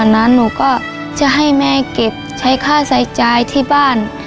ก่อนนั้นหนูก็จะให้แม่เก็บใช้ค่าใส่ใจที่บ้าน